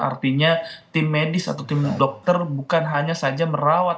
artinya tim medis atau tim dokter bukan hanya saja merawat